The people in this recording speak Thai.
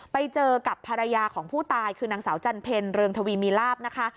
ไปเจอกับภรรยาของผู้ตายคือนางสาวจันเพลเรืองทวีมีลาบนะคะ